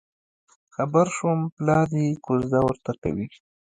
خبر شوم پلار یې کوزده ورته کوي.